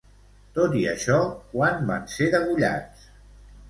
Tot i això, quan van ser degollats?